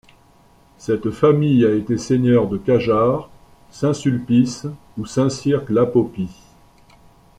Cette famille a été seigneur de Cajarc, Saint-Sulpice ou Saint-Cirq-Lapopie.